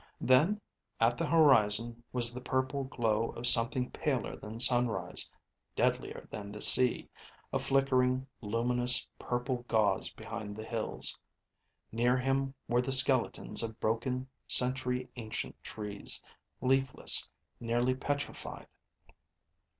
Then, at the horizon, was the purple glow of something paler than sunrise, deadlier than the sea, a flickering, luminous purple gauze behind the hills. Near him were the skeletons of broken, century ancient trees, leafless, nearly petrified.